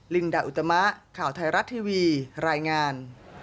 ลินดาอุตมะข่าวไทยรัฐทีวีรายงาน